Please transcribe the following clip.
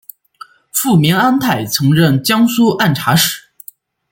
父明安泰曾任江苏按察使。